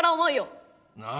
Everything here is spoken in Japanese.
何？